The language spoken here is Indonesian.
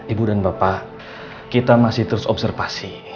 ibu dan bapak kita masih terus observasi